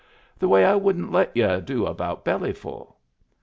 The way I wouldn't let y'u do about Bellyful?